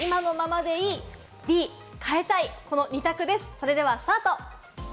それではスタート！